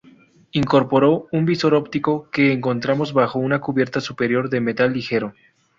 Incorpora un visor óptico que encontramos bajo una cubierta superior de metal ligero.